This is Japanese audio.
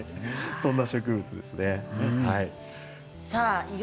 そんな植物ですよ。